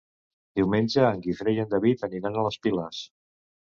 Diumenge en Guifré i en David aniran a les Piles.